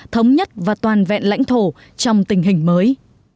thống nhất và toàn vẹn lãnh thổ trong tình hình mới